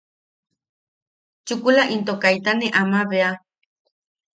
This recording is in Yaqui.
Chukula into kaita ne ama bea...